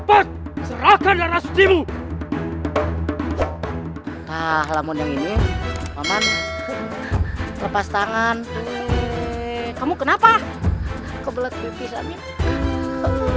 hai serahkan resimu nah lemon ini aman lepas tangan kamu kenapa kebelet bebi